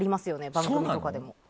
番組とかでも。